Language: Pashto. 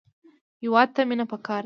هېواد ته مینه پکار ده